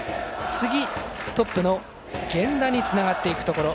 次、トップの源田につながっていくところ。